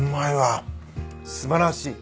素晴らしい。